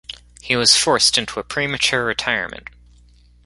He was forced into a premature retirement.